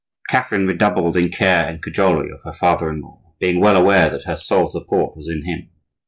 Catherine redoubled in care and cajolery of her father in law, being well aware that her sole support was in him.